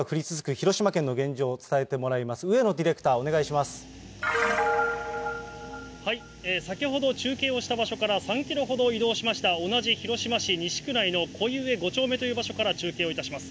広島県の現状、伝えてもらいます、上野ディレクター、先ほど中継をした場所から３キロほど移動しました、同じ広島市西区内のこいうえ５丁目という場所から中継をいたします。